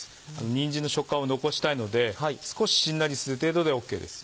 にんじんの食感を残したいので少ししんなりする程度でＯＫです。